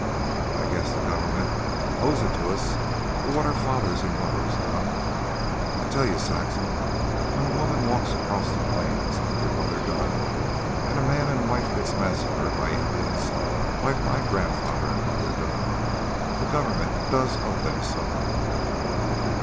"An' I guess the government owes it to us for what our fathers an' mothers done. I tell you, Saxon, when a woman walks across the plains like your mother done, an' a man an' wife gets massacred by the Indians like my grandfather an' mother done, the government does owe them something."